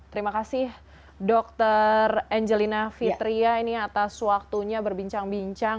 terima kasih dokter angelina fitria ini atas waktunya berbincang bincang